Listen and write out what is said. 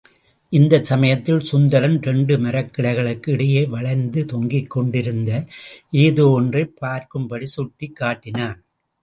இந்தச் சமயத்தில் சுந்தரம் இரண்டு மரக்கிளைகளுக்கு இடையே வளைந்து தொங்கிக்கொண்டிருந்த ஏதோ ஒன்றைப் பார்க்கும்படி சுட்டிக் காட்டினான்.